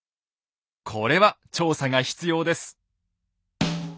これは調査が必要です。